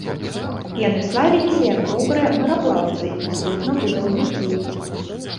Яны славіліся як добрыя мараплаўцы і суднабудаўнікі.